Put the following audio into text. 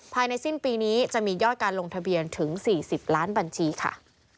ภายในสิ้นปีนี้จะมียอดการลงทะเบียนถึง๔๐ล้านบัญชีค่ะ